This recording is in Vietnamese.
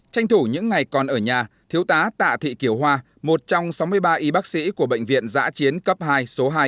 tranh thủ những ngày còn ở nhà thiếu tá tạ thị kiều hoa một trong sáu mươi ba y bác sĩ của bệnh viện giã chiến cấp hai số hai